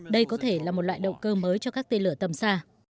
đây có thể là một loại động cơ mới cho các tên lửa tầm xa